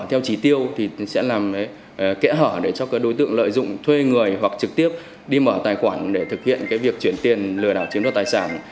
theo chỉ tiêu thì sẽ làm kẽ hở để cho các đối tượng lợi dụng thuê người hoặc trực tiếp đi mở tài khoản để thực hiện việc chuyển tiền lừa đảo chiếm đoạt tài sản